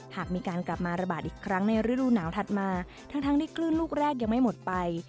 หากมีการกลับมาระบาดอีกครั้งในฤดูหนาวถัดมาทั้งที่คลื่นลูกแรกยังไม่หมดไป